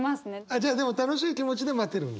じゃあでも楽しい気持ちで待てるんだ。